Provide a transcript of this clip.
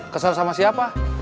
kesel sama siapa